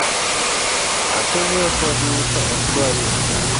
Asewuoyo kodi to ok idwar winja.